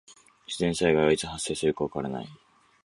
自然災害はいつ発生するかわからない。